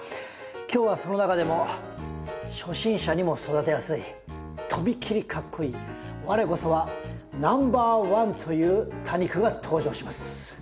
今日はその中でも初心者にも育てやすいとびっきりかっこイイ我こそはナンバーワンという多肉が登場します。